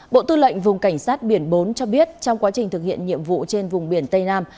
bộ tư lệnh vùng cảnh sát biển bốn cho biết trong quá trình thực hiện nhiệm vụ trên vùng biển tây nam